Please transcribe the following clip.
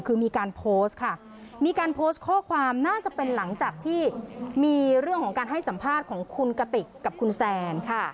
คือมีการโพสต์ค่ะมีการโพสต์ข้อความน่าจะเป็นหลังจากที่มีเรื่องของการให้สัมภาษณ์ของคุณกติกกับคุณแซนค่ะ